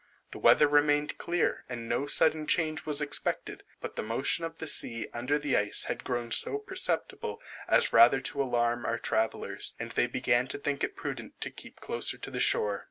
The weather remained clear, and no sudden change was expected. But the motion of the sea under the ice had grown so perceptible as rather to alarm our travellers, and they began to think it prudent to keep closer to the shore.